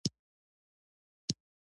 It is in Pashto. په نیوکه کې یو کس له بل سره مه پرتله کوئ.